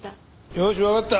よしわかった。